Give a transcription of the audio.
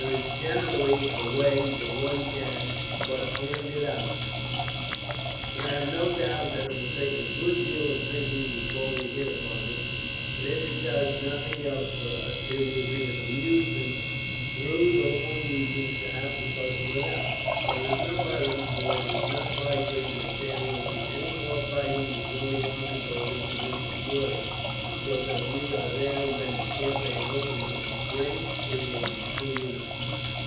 "There is generally a way, if one can but find it out; but I have no doubt that it will take a good deal of thinking before we hit upon it, and if it does nothing else for us, it will be an amusement through the long evenings to have to puzzle it out. There is no hurry, for it is not likely that there will be any more fighting before the army goes into winter quarters; and so that we are there when the campaign opens in the spring, it will be soon enough."